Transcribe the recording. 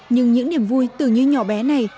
nhưng những niềm vui từ như nhỏ bé này